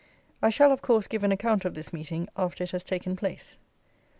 I shall, of course, give an account of this meeting after it has taken place.